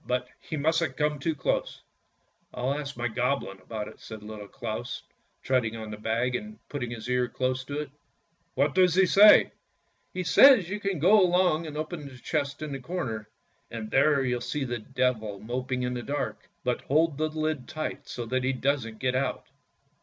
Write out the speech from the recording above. But he mustn't come too close." GREAT CLAUS AND LITTLE CLAUS 149 " I'll ask my Goblin about it," said Little Claus, treading on the bag and putting his ear close to it. " What does he say? "" He says you can go along and open the chest in the corner, and there you'll see the Devil moping in the dark ; but hold the lid tight so that he doesn't get out."